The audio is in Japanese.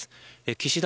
岸田